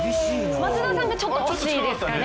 松田さんがちょっと惜しいですかね。